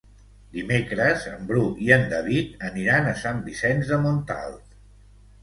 Dimecres en Bru i en David aniran a Sant Vicenç de Montalt.